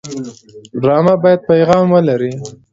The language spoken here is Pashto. ډرامه باید پیغام ولري